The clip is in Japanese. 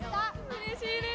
うれしいです。